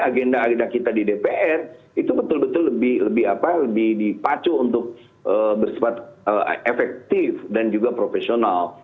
agenda agenda kita di dpr itu betul betul lebih dipacu untuk bersifat efektif dan juga profesional